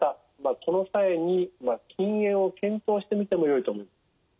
この際に禁煙を検討してみてもよいと思います。